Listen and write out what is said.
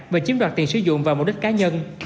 và chiếm đoạt tiền sử dụng vào mục đích cá nhân